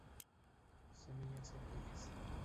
Semillas ovoides.